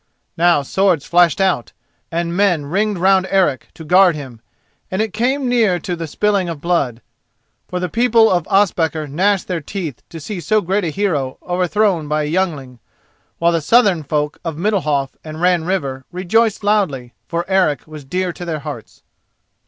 Now swords flashed out, and men ringed round Eric to guard him, and it came near to the spilling of blood, for the people of Ospakar gnashed their teeth to see so great a hero overthrown by a youngling, while the southern folk of Middalhof and Ran River rejoiced loudly, for Eric was dear to their hearts.